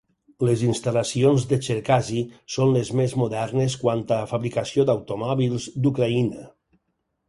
Les instal·lacions a Cherkasy són les més modernes quant a fabricació d'automòbils d'Ucraïna.